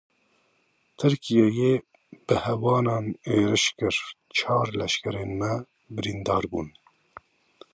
Tirkiyeyê bi hawanan êriş kirin, çar leşkerên me birîndar bûn.